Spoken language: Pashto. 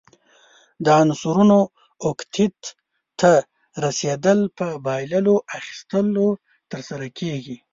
د عنصرونو اوکتیت ته رسیدل په بایللو، اخیستلو ترسره کیږي.